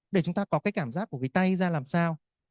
để chúng ta có cái cảm giác của cái tay ra làm sao